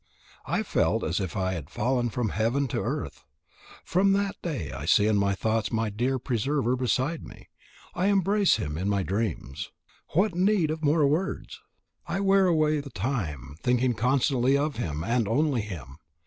I felt as if I had fallen from heaven to earth. From that day I see in my thoughts my dear preserver beside me. I embrace him in my dreams. What need of more words? I wear away the time, thinking constantly of him and only him.